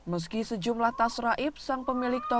aksi pelaku yang berjumlah lima orang itu terekam kamera cctv